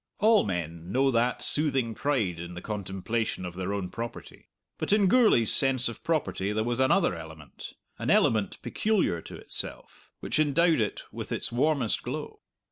All men know that soothing pride in the contemplation of their own property. But in Gourlay's sense of property there was another element an element peculiar to itself, which endowed it with its warmest glow.